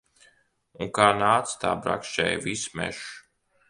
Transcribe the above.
Un kā nāca, tā brakšķēja viss mežs.